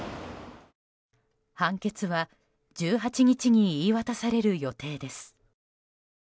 判決は１８日に言い渡される予定です。